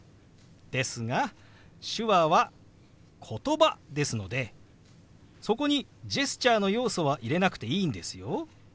ですが手話はことばですのでそこにジェスチャーの要素は入れなくていいんですよ。